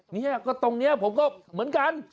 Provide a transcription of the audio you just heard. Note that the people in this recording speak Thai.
เนี่ยก็ตรงนี้ผมก็เหมือนกัน